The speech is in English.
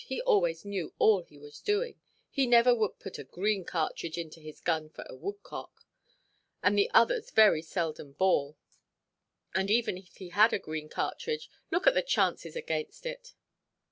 He always knew all he was doing. He never would put a green cartridge into his gun for a woodcock. And the others very seldom ball. And even if he had a green cartridge, look at the chances against it.